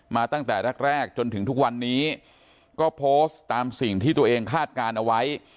ตั้งแต่แรกแรกจนถึงทุกวันนี้ก็โพสต์ตามสิ่งที่ตัวเองคาดการณ์เอาไว้